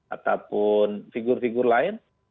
ataupun figur figur lain